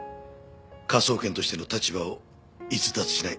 科捜研としての立場を逸脱しない範疇でな。